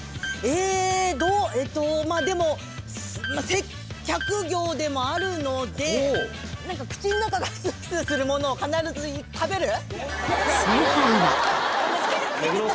えーと、でも、接客業でもあるので、なんか口の中がすーすーするものを必ず食べる。